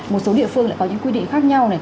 một số địa phương lại có những quy định khác nhau này